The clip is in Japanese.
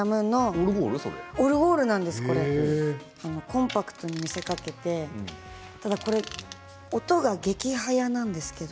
オルゴールなんですけれどコンパクトに見せかけて音が激はやなんです。